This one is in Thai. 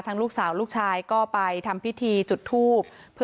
ลูกสาวลูกชายก็ไปทำพิธีจุดทูบ